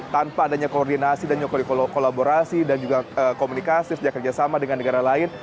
tanpa adanya koordinasi dan juga kolaborasi dan juga komunikasi sejak kerjasama dengan negara lain